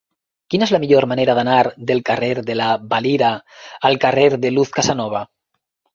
Quina és la millor manera d'anar del carrer de la Valira al carrer de Luz Casanova?